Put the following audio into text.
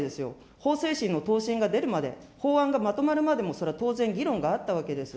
法制審の答申が出るまで、法案がまとまるまでもそれは当然、議論があったわけです。